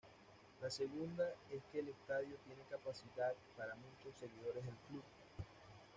La segunda es que el estadio tiene capacidad para muchos seguidores del club.